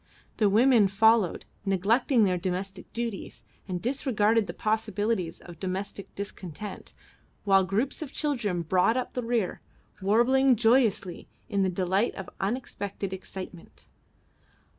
The women followed, neglecting their domestic duties and disregarding the possibilities of domestic discontent, while groups of children brought up the rear, warbling joyously, in the delight of unexpected excitement.